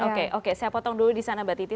oke oke saya potong dulu di sana mbak titi